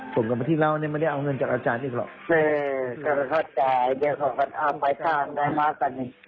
ผมกับพะที่เล่าไม่ได้เอาเงินจากอาจารย์อีกหรอก